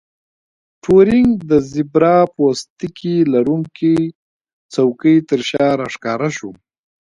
ټورینګ د زیبرا پوستکي لرونکې څوکۍ ترشا راښکاره شو